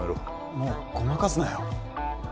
もうごまかすなよ